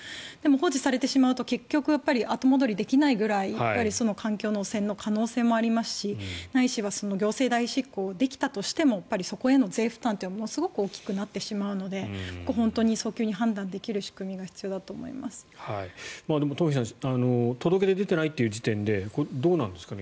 でも放置されてしまうと結局、後戻りできないぐらい環境の汚染の可能性もありますしないしは行政代執行できたとしてもそこへの税負担というのもすごく大きくなってしまうので早急に判断できる仕組みがただ東輝さん届け出が出てない時点でどうなんですかね